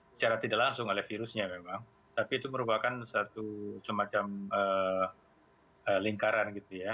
secara tidak langsung oleh virusnya memang tapi itu merupakan semacam lingkaran